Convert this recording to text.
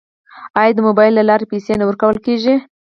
آیا د موبایل له لارې پیسې نه ورکول کیږي؟